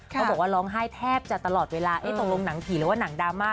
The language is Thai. เขาบอกว่าร้องไห้แทบจะตลอดเวลาตกลงหนังผีหรือว่าหนังดราม่า